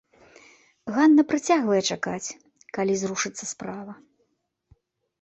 Ганна працягвае чакаць, калі зрушыцца справа.